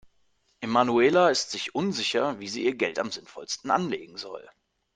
Emanuela ist sich unsicher, wie sie ihr Geld am sinnvollsten anlegen soll.